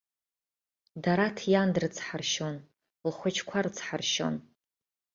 Дараҭ иан дрыцҳаршьон, лхәыҷқәа рыцҳаршьон.